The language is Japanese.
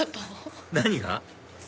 何が？